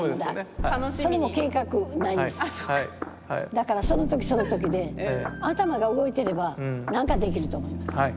だからその時その時で頭が動いてれば何か出来ると思います。